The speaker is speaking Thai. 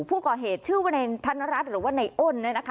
ผู้ก่อเหตุชื่อว่าในธนรัฐหรือว่าในอ้น